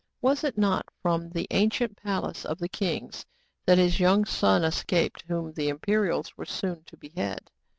Was it not from the ancient palace of the kings that his young son escaped, whom the Imperials were soon to behead